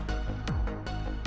tidak ada apa apa